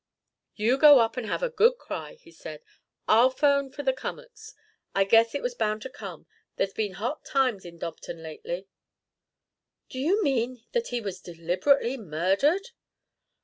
"You go up and have a good cry," he said. "I'll 'phone for the Cummacks. I guess it was bound to come. There's been hot times in Dobton lately " "Do you mean that he was deliberately murdered?"